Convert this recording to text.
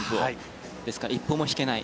ですから一歩も引けない。